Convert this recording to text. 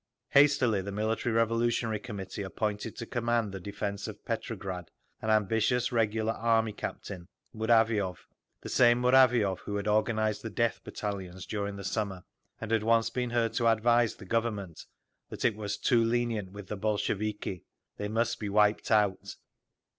Hastily the Military Revolutionary Committee appointed to command the defence of Petrograd an ambitious regular Army Captain, Muraviov, the same Muraviov who had organised the Death Battalions during the summer, and had once been heard to advise the Government that "it was too lenient with the Bolsheviki; they must be wiped out."